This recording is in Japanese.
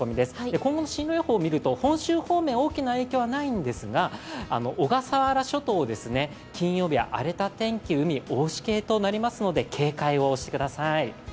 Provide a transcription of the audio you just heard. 今後の進路予報を見ると、本州方面、大きな影響はないんですが、小笠原諸島、金曜日は荒れた天気、海は大しけとなりますので警戒してください。